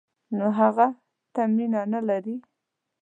نو هغه ته مینه نه لري.